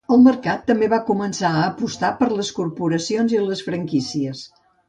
El mercat també va començar a apostar per les corporacions i les franquícies.